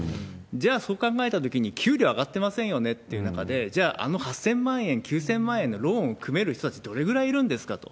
じゃあ、そう考えたときに、給料上がってませんよねっていう中で、じゃあ、あの８０００万円、９０００万円のローンを組める人たち、どれぐらいいるんですかと。